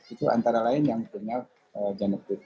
itu antara lain yang punya genetik